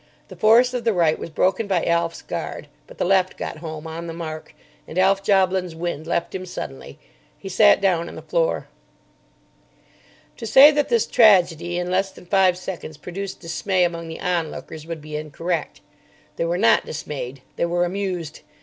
The force of the right was broken by Alf's guard, but the left got home on the mark; and Alf Joblin's wind left him suddenly. He sat down on the floor. To say that this tragedy in less than five seconds produced dismay among the onlookers would be incorrect. They were not dismayed. They were amused.